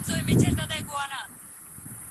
نه زارۍ دي سي تر ځایه رسېدلای